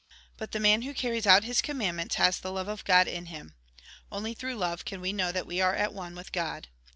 But the man who carries out his commandments has the love of God in him. Only through love can we know that we are at one with God.